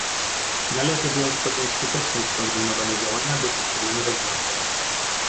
Należy więc podjąć skuteczne i skoordynowane działania, by te problemy rozwiązać